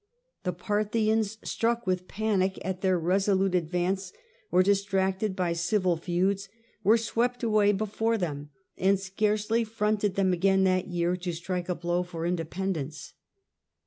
The Parthians, struck with panic at all before their resolute advance or distracted by civil feuds, were swept away before them, and scarcely fronted them again that year to strike a blow for independence.